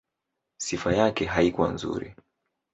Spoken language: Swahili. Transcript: Sifa yake haikuwa nzuri.